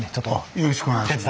よろしくお願いします。